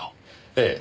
ええ。